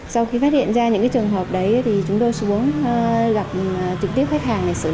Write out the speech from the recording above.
sau khi phát hiện ra những trường hợp đấy thì chúng tôi xuống gặp trực tiếp khách hàng để xử lý